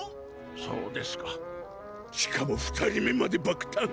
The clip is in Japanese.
そうですかしかも２人目まで爆誕！